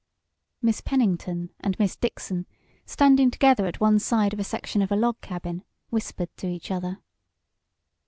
Miss Pennington and Miss Dixon, standing together at one side of a section of a log cabin, whispered to each other.